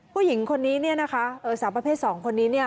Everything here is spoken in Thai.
ผู้หญิงคนนี้นะคะสาปเภท๒คนนี้